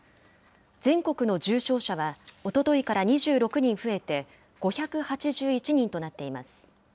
全国の重症者は、おとといから２６人増えて５８１人となっています。